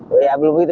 gerakan belum begitu